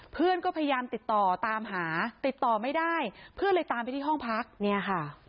เพื่อนก็พยายามติดต่อตามหาติดต่อไม่ได้เพื่อนเลยตามไปที่ห้องพักเนี่ยค่ะ